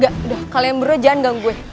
gak udah kalian berdua jangan ganggu gue